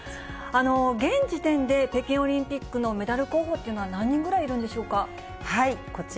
現時点で北京オリンピックのメダル候補というのは、何人ぐらいいるんでしょうか。